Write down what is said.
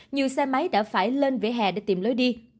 nhiều xe máy đã phải lên vỉa hè để tìm lối đi